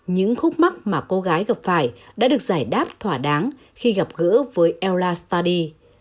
những khúc mắt mà cô gái gặp phải đã được giải đáp thỏa đáng khi gặp gỡ với eula study